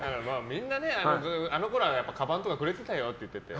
みんな、あのころはかばんとかくれてたよって言ってて。